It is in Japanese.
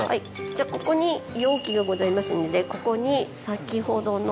じゃここに容器がございますのでここに先ほどの。